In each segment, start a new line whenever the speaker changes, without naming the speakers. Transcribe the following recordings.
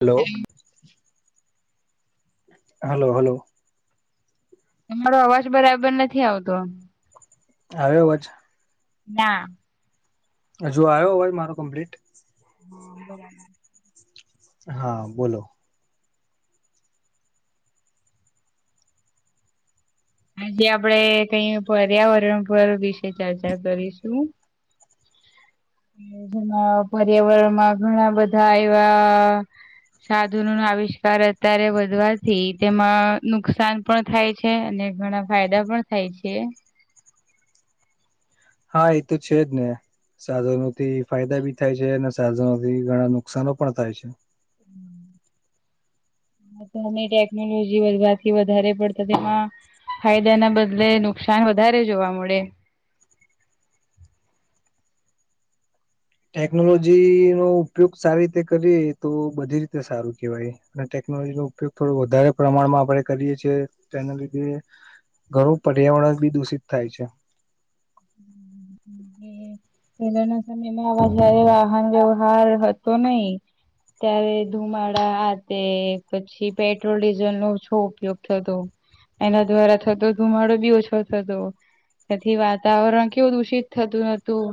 Hello. Hello hello.
તમારો અવાજ બરાબર નથી આવતો.
આવે આવાજ.
ના.
હજુ આવ્યો અવાજ મારો કમ્પ્લીટ.
હા બરાબર.
હા બોલો.
આજે આપડે કઈ પર્યાવરણ પર વિશે ચર્ચા કરીશું. હ. [unintelligible] જેમાં પર્યાવરણમાં ઘણા બધા એવા સાધુનો નો આવિષ્કાર અત્યારે વધવાથી તેમાં નુકસાન પણ થાય છે અને ઘણા ફાયદા પણ થાય છે
હા એ તો છે જ ને સાધનો થી ફાયદા ભી થાય છે અને સાધનોથી ઘણા નુકશનો પણ થાય છે
તો ટેકનોલોજી વધવાથી વધારે પડતા તેમાં ફાયદા ના બદલે નુકસાન વધારે જોવા મળે
ટેકનોલોજી નો ઉપયોગ સારી રીતે કરીએ તો બધી રીતે સારું કેહેવાય અને ટેકનોલોજી નો ઉપયોગ થોડો વધારે પ્રમાણમાં આપણે કરીએ છીએ તેના લીધે ઘર પર્યાવરણ બી દૂષિત થાય છે
[unintelligible] પહેલાના સમયમાં હ જયારે વાહન વ્યવહાર હતો નહી ત્યારે ધુમાડા તે પછી પેટ્રોલ ડીઝલ નો શ ઉપયોગ થતો એના દ્વારા થતો ધુમાડો બી ઓછો થતો તેથી વાતાવરણ કેવું દુષિત થતું નતું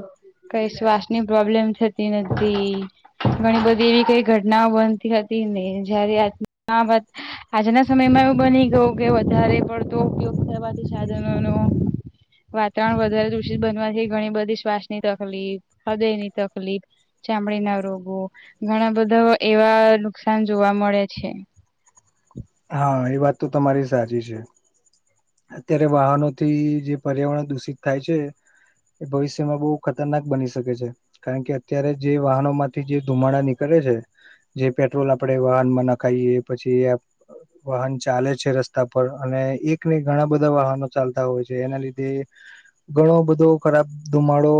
કઈ શ્વાસ ની પ્રોબ્લેમ થતી નથી. ઘણી બધી એવી કઈ ઘટનાઓ બનતી હતી ને જયારે આ વાત આજના સમયમાં એવું બની ગયું કે વધારે પડતો ઉપયોગ થવાથી સાધન નો વાતાવરણ વધારે દુષિત બનવાથી ઘણી બધી શ્વાસ ની તકલીફ હૃદય ની તકલીફ ચામડી ના રોગો ઘણા બધા એવા નુકસાન જોવા મળે છે.
હા એ વાત તો તમારી સાચી છે. અત્યારે વાહનોથી જે પર્યાવરણ દૂષિત થાય છે. એ ભવિષ્યમાં બહુ ખતરનાક બની શકે છે. કારણ કે અત્યારે જે વાહનો માંથી જે ધુમાડા નીકળે છે. જે પેટ્રોલ આપડે વાહનમાં નાખાઈએ પછી વાહન ચાલે છે રસ્તા પર અને એક ને ઘણા બધા વાહનો ચાલતા હોય છે એના લીધે ઘણો બધો ખરાબ ધુમાડો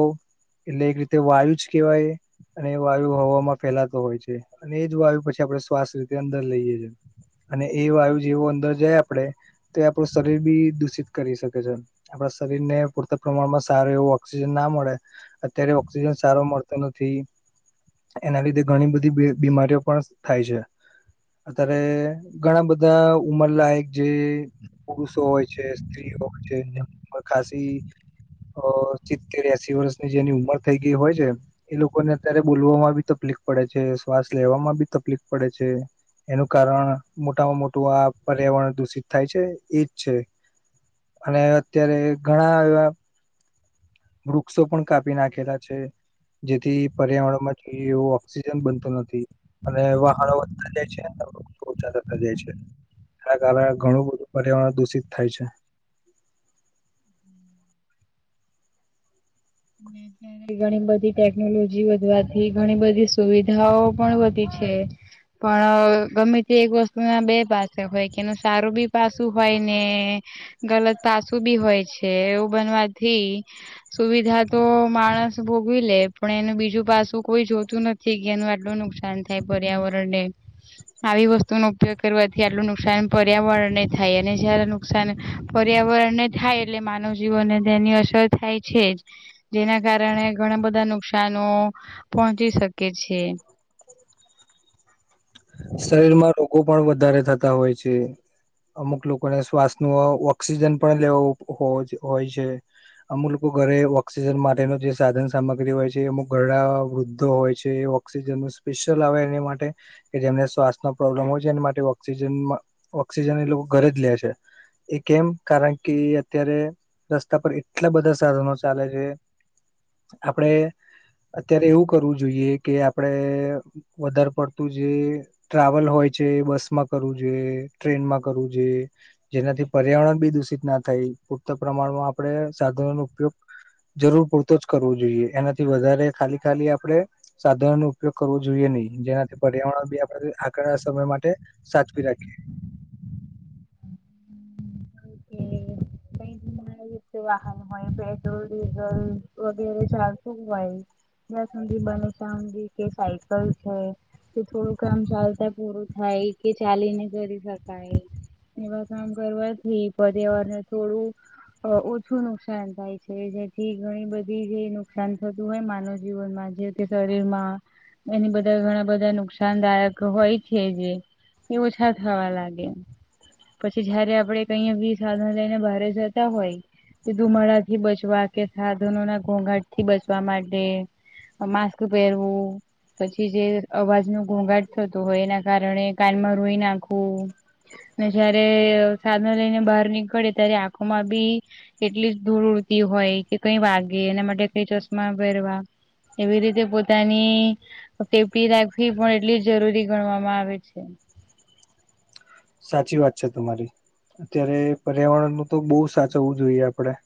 એટલે એક રીતે વાયુ જ કેહેવાય. અને એ વાયુ હવામાં ફેલાતો હોય છે અને એ જ વાયુ પછી આપણેે સ્વાસ્થ રીતે અંદર લઈએ છે. અને એ વાયુ જેવો અંદર જાય આપડે તો આપણું શરીર બી દૂષિત કરી શકે છે. આપણા શરીર ને પૂરતા પ્રમાણમાં સારું એવું ઓક્સિજન ના મળે અત્યારે ઓક્સિજન સારો મળતો નથી. એના લીધે ઘણી બધી બીમ બીમારીઓ પણ થાય છે અત્યારે ઘણા બધા ઉમરલાયક જે પુરુષો હોય છે. [unintelligible] ખાંસી અ સિત્તેર એસી વર્ષની જેની ઉમર થઈ ગઈ હોય છે એ લોકોને અત્યારે બોલવામાં બી તકલીફ પડે છે શ્વાસ લેવામાં બી તકલીફ પડે છે. એનું કારણ મોટામાં મોટું આ પર્યાવરણ દૂષિત થાય છે એજ છે. અને અત્યારે ઘણા એવા વૃક્ષો પણ કાપી નાખેલા છે. જેથી પર્યાવરણ માં જોઈ એવો ઓક્સિજન બનતો નથી. અને વાહનો વધતા જાય વૃક્ષો ઓછા થતા જાય છે. એના કારણે ઘણું બધું પર્યાવરણ દૂષિત થાય છે.
[inaudible] ઘણી બધી ટેકનોલોજી વધવાથી ઘણી બધી સુવિધાઓ પણ વધી છે. પણ ગમે તે એક વસ્તુ ના બે પાસે હોય કે એનું સારું બી પાસું હોય ને ગલત પાસું બી હોય છે એવું બનવાથી સુવિધા તો માણસ ભોગવી લે પણ એનું બીજું પાછું કોઈ જોતું નથી કે એનું આટલું નુકસાન તો પર્યાવરણને આવી વસ્તુ નો ઉપયોગ કરવાથી આટલું નુકસાન પર્યાવરણને થાય અને જ્યારે નુકસાન પર્યાવરણને થાય એટલે માનવ જીવનને તેની અસર થાય છે જ જેના કારણે ઘણા બધા નુકશનો પહોંચી શકે છે.
શરીર માં રોગો પણ વધારે થતા હોય છે. અમુક લોકોને શ્વાસ ન ઓક્સિજન પણ લેવો હોય છે અમુક લોકો ઘરે ઓક્સિજન માટેનો જે સાધન સામગ્રી હોય છે અમુક ઘરડા વૃદ્ધો હોય છે. ઓક્સિજન ન સ્પેશિયલ આવે એને માટે કે જેમને શ્વાસનો પ્રોબ્લેમ હોય છે એના માટે ઓક્સિજન ઓક્સિજન એ લોકો ઘરે જ લે છે એ કેમ કારણ કે અત્યારે રસ્તા પર એટલા બધા સાધનો ચાલે છે આપડે અત્યારે એવું કરવું જોઈએ કે આપડે વધારે પડતું જે ટ્રાવેલ હોય છે બસ માં કરવું જોઈએ ટ્રેનમાં કરવું જોઈએ. જેનાથી પર્યાવરણ બી દૂષિત ના થાય પૂરતા પ્રમાણમાં આપણે સાધનો નો ઉપયોગ જરૂર પૂરતો જ કરવો જોઈએ એનાથી વધારે ખાલી ખાલી આપડે સાધનનો ઉપયોગ કરવો જોઈએ નહી જેનાથી પર્યાવરણ બી આગળ સમય માટે સાચવી રાખીએ
કઈ મા પેટ્રોલ ડીઝલ વગેરે શ હોય જ સુી બને શજી કે સાયકલ છે કે થોડું કામ ચાલતા પૂરું થાય કે ચાલીને કરી શકાય એવા કામ કરવાથી પર્યાવાર થોડું ઓછું નુકસાન થાય છે જેથી ઘણી બધી જે નુકસાન થતું હોય માનવ જીવનમાં જે. શરીર માં એની બધા ઘણા બધા નુકસાનદાયક હોય છે જે એ ઓછા થવા લાગે પછી જયારે આપડે કહીયા બી સાધન લઈને બારે હોય ધુમાડા થી બચવા કે સાધનો ના ઘોઘાટ થી બચવા માટે માસ્ક પહેરવું પછી જે અવાજ ન ગુણઘાટ થતો હોય એના કારણે કાનમાં રોઈ નાખવું ને જયારે સાધનો લઈને બહાર નીકળે ત્યારે આંખોમાં બી એટલી જ દૂર ઉડતી હોય કે કઈ વાગે એના માટે કઈ ચશ્મા પહેરવા એવી રીતે પોતાની તેી રાખવી પણ એટલી જરૂરી ગણવામાં આવે છે
સાચી વાત છે તમારી અત્યારે પર્યાવરણનુંું તો બહુ સાચ હોવું જોઈએ આપડે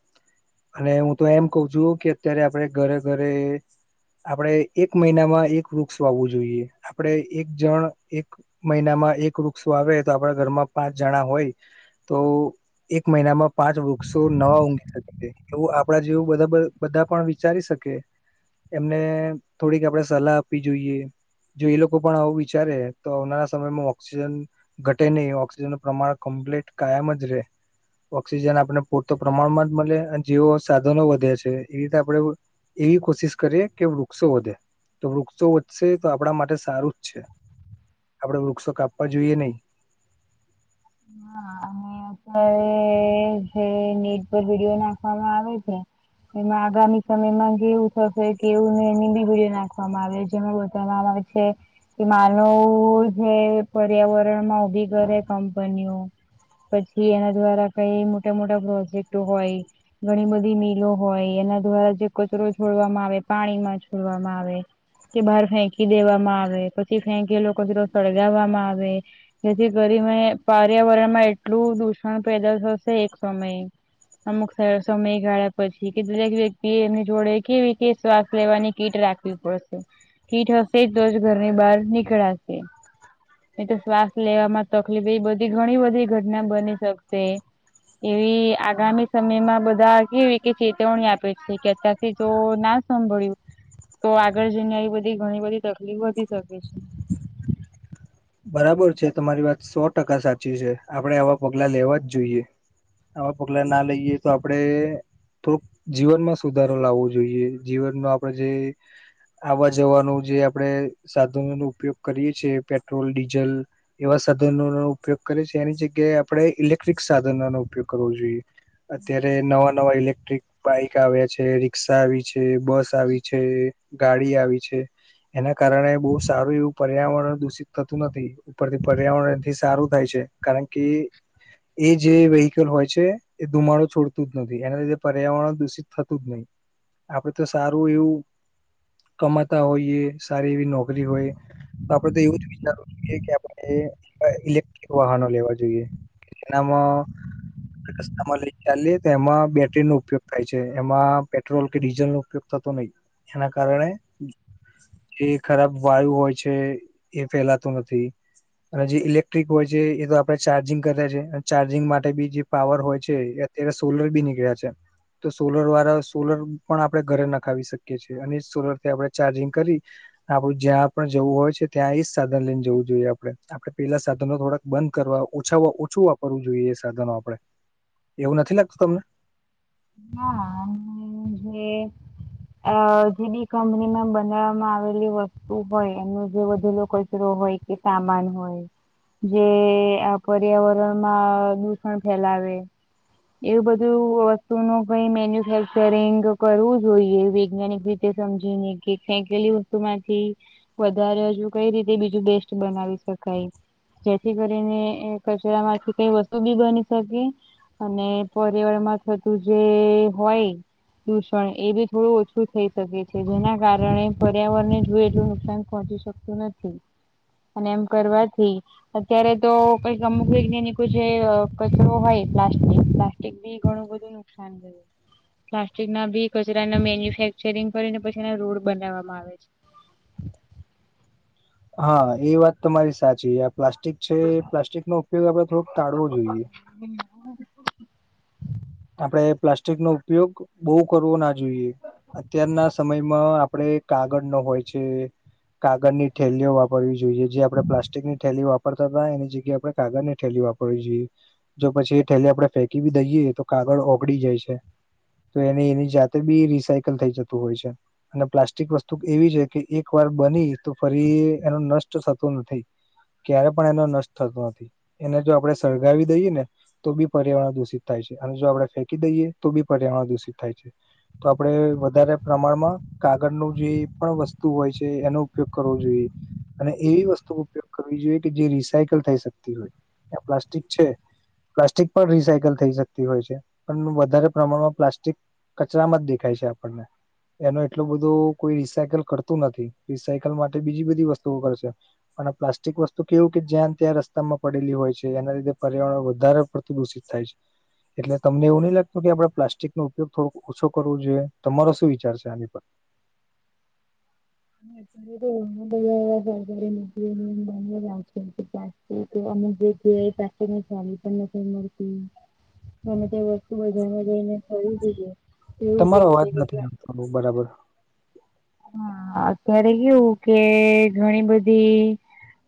અને હું તો એમ કઉ છું કે અત્યારે આપડ ઘરે ઘરે આપણેે એક મહિનામાં એક વૃક્ષ વાવવું જોઈએ આપણેે એક જણ એક મહિનામાં એક વૃક્ષો આવે તો આપણા ઘરમાં પાંચ જણા હોય તો એક મહિનામાં પાંચ વૃક્ષો નવા ઊઘ એવું આપડા જેવું બધબર બધા પણ વિચારી શકે એમને થોડીક આપણેે સલાહ આપવી જોઈએ જો એ લોકો પણ આવું વિચારે તો આવનારા સમયમાં ઓક્સિજન ઘટે નહીં ઓક્સિજનનું પ્રમાણ કમ્પ્લીટ કાયમ જ ર રહે ઓક્સિજન આપણે પૂરતો પ્રમાણમાં જ મળે અને જેવો સાધનો વધે છે એ રીતે આપણેે એવી કોશિશ કરીે કે વૃક્ષો વધે તો વૃક્ષો વધશે તો આપણા માટે સારું જ છે આપડે વૃક્ષો કાપવા જોઈએ નહી
હા અ જે નેટ પર વિડીયો નાખવામાં આવે છે એમાં આગામી સમયમાં કેવું થશે કેવું નેબી ભુજન નાખવામાં આવે જેમાં બધા છે કે માનવ જે પર્યાવરણ માં ઉભી કરે કંપનીઓ પછી એના દ્વારા કઈ મોટા મોટા પ્રોજેક્ટ હોય ઘણી બધી મિલો હોય એના દ્વારા જે કચરો છોડવામાં આવે પાણીમાં છોડવામાં આવે કે બહાર ફેંકી દેવામાં આવે પછી ફેંકી લોકો તો સળગાવવામાં આવે જેથી કરીરી પર્યાવરણમાં એટલું દૂષણ પેદા થશે એક સમય અમુકો સમય ગાળ્યા પછી કે દરેક વ્યક્તિ એમની જોડે કેવી કે શ્વાસ લેવાની કીટ રાખ પ ઠીટ હશે તો જ ઘરની બહાર નીકળાશે. એ તો શ્વાસ લેવામાં તકલીફ એ બધી ઘણી બધી ઘટના બની શકશે. એવી આગામી સમયમાં બધા કેવી કે ચેતવણી આપે છે કે અત્યારથી જો ના. સાંભળ્યું તો આગળ જઈને આવી બધી ઘણી બધી તકલીફ વધી શકે છે.
બરાબર છે તમારી વાત સો ટકા સાચી છે આપડે આવા પગલા લેવા જ જોઈએ. હવા પગલા ના લઈએ તો આપડે. થોડોક જીવનમાં સુધારો લાવવો જોઈએ જીવનમાં આપણે જે. આવા જવાનું જે આપણેે સાધનો ન ઉપયોગ કરીએ છ છેએ પેટ્રોલ ડીઝલ. એવા સાધનોનોો ઉપયોગ કરે છે એની જગ્યાએ આપણે ઇલેક્ટ્રિક સાધનો નો ઉપયોગ કરવો જોઈએ. અત્યારે નવા નવા ઇલેક્ટ્રિક બાઈક આવ્યા છે રિક્ષા આવી છે. બસ આવી છે. ગાડી આવી છે એના કારણે બહુ સારું એવું પર્યાવરણ દૂષિત. થતું નથી ઉપરથી પર્યાવરણથી સારું થાય છે કારણ કે. એ જે વેહકલ હોય છે. એ ધુમાડો છોડતું જ નથી એના લીધે પર્યાવરણ દુષિત થતું જ નહીિ. આપડે તો સારું એવું. કમાતા હોઈએ સારી એવી નોકરી હોય તો આપડે તો એવું. જ કે આપણે ઇલેક્ટ્રિક વાહનો લેવા જોઈએ તેનામાં. રસ્તામાં લઈ ચાલીએ તો એમાં બેટરી નો ઉપયોગ થાય છે એમાં પેટ્રોલ કે ડીઝલ નો ઉપયોગ. થતો નહી એના કારણે એ ખરાબ વાયુ હોય છે. એ ફેલાતું નથી. અને જે ઇલેક્ટ્રિક હોય છે એ તો આપણે ચાર્જિંગ કર્યા છે ચાર્જિંગ માટે બી જે પાવર હોય છે. અત્યારે સોલર બી નીકળ્યા છે. તો સોલર વાળા સોલર પણ આપડણે ઘરે નખાવી શકીએ છીએ અને સોલરથી આપણે ચાર્જિંગ કરી. આપું જ્યાં પણ જવું હોય છે ત્યાં આઈસ. સાધન લઈને જવું જોઈએ આપડે આપણે પેલા સાધનો થોડાક બંધ કરવા ઓછા ઓછું. કરવું જોઈએ એ સાધનો આપડે એવું નથી લાગતું તમને.
હા જે. અ જે બી કંપનીમાં બનાવવામાં આવેલી વસ્તુ હોય એમનો જે વધેલો કચરો હોય. કે સામાન હોય. જે આ પર્યાવરણમાં દૂષણ ફેલાવે. એવું બધું. નું કઈ મેન્યુફેક્ચરિંગ કરવું જોઈએ વૈજ્ઞાનિક રીતે સમજીને કે ફેંકેલું. માંથી વધારે હજુ કઈ રીતે બીજું બેસ્ટ બનાવી શકાય. જેથી કરીને કચરા માંથી કઈ વસ્તુ બી બની શકે અને પર્યાવાર માં થતું જે હોય. દૂષણ એ બી થોડું ઓછું થઈ શકે છે જેના કારણે પર્યાવરણ ને જોએ એટલું નુકસાન પહોંચી શકે. નથી અને એમ કરવાથી. અત્યારે તો કઈક અમુક વૈજ્ઞાનિકો જે કચરો હોય પ્લાસ્ટિક પ્લાસ્ટિક. બી ઘણું બધું નુકસાન કરયું. પ્લાસ્ટિક ના બી કચરા મેન્યુફેક્ચરિંગ કરીને પછી એને રોડ બનાવવામાં આવે છે.
હા એ વાત તમારી સાચી આ પ્લાસ્ટિક છે એ પ્લાસ્ટિક નો ઉપયોગ આપડે થોડોક ટાળવો જોઈએ. આપણેે પ્લાસ્ટિક નો ઉપયોગ બહુ કરવો ના જોઈએ. અત્યારના સમયમાં આપણે કાગળ નો હોય છે. કાગળ ની થેલીઓ વારવી જોઈએ જે આપણે પ્લાસ્ટિક ની થેલીઓ વાપરતા હતા એની જગ્યાએ આપણે કાગળ ની થેલી વાપરતા. હોવિજોએ જો પછી એ થેલી આપડે ફેંકી બી દઈએ તો કાગળ ઓગળી જાય છે. તો એની એની જાતે બી રિસાયકલ થઈ જતું હોય છે. અને પ્લાસ્ટિક વસ્તુ એવી છે કે એક વાર બની તો ફરી એનો નષ્ટ થતો નથી. ક્યારે પણ એનો નષ્ટ થતો નથી. એને જો આપડણે સળગાવી દઈએ ને તો બી પર્યાવરણ દૂષિત થાય છે. અને જો આપણે ફેંકી દઈએ તો બી પર્યાવરણ દૂષિત થાય છે તો આપડણે વધારે પ્રમાણમાં કાગળ નું જે પણ વસ્તુ હોય છે એનો ઉપયોગ કરવો જોઈએ અને એવી વસ્તુ ઉપયોગ કરવી જોઈએ કે જે રિસાયકલ થઈ શકતી હોય આ પ્લાસ્ટિક છે પ્લાસ્ટિક પણ રિસાયકલ થઈ શકે હોય છે પણ વધારે પ્રમાણમાં પ્લાસ્ટિક કચરામાં જ દેખાય છે આપણને એનો એટલો બધો કોઈ રિસાયકલ કરતું નથી રિસાયકલ માટે બીજી બધી વસ્તુઓ કરશે પણ પ્લાસ્ટિક વસ્તુ કેવું કે જ્યાં ત્યાં રસ્તા માં પડેલી હોય છે એના લીધે પર્યાવરણ વધારે પ્રદૂ થાય છે એટલે તમને એવું નહી લાગતું કે આપડે પ્લાસ્ટિક નો ઉપયોગ થોડોક ઓછો કરવો જોઈએ તમારો શું વિચાર છે આની પર
હ [unintelligible] ને સલી પણ નથી મળતી ગમે તે વસ્તુ બધામાં જઈને [unintelligible] એવું કે છે કેટલા
બહુ બરાબર
હા અત્યારે કેવું કે ઘણી બધી.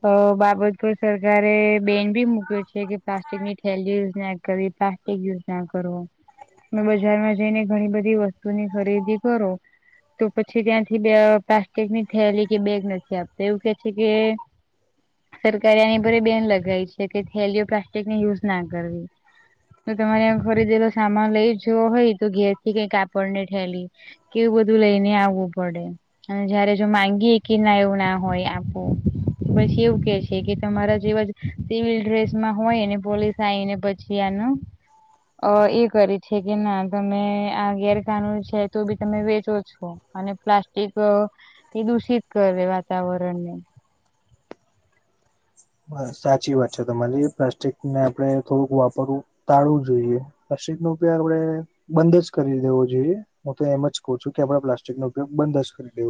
અ બાબત પર સરકારે બેન ભી મુૂક્યો છે કે પ્લાસ્ટિક ની થેલ યુઝ ના કરીય એક દિવસ ના્યા કરો ત બજારમાં જઈને ઘણી બધી વસ્તુની ખરીદી કરો તો પછી ત્યાંથી બે પ્લાસ્ટિક ની થયલી કે બેગ નથી આપતો એવું કે છે કે. સરકારે આની ભરે બેન લગાવી છે કે હેલીયો પ્લાસ્ટિકને યુઝ ના કરવી તો તમારે ખરીદેલો સામાન લઈ જોો હોય તો ઘેરથી કઈ કાપડ ને ઠેલી કેવું બધું લઈને આવવું પડે. અને જયારે જો માંગીએે કે ના એવું ના હોય આપું. પછી એવું કે છે કે તમારા જેવા સિવિલ ડ્રેસમાં હોયને પોલીસ આવીને પછી. છિયાન. અ એ કરી છે કે ના તમે આ ગેરકાનૂન છે તો બી તમે વેચો છો. અને પ્લાસ્ટિક એ દૂષિત કરે વાતાવરણને
બ સાચી વાત છે તમારે પ્લાસ્ટિકને આપડે થોડુંક વાપરવું ટાળવું જોઈએ. રશિક નો ઉપયોગ આપડે બંધ જ કરી દેવો જોઈએ હું તો એમ જ કહ છું કે આપડા પ્લાસ્ટિક નો ઉપયોગ બંધ જ કરી દેવો.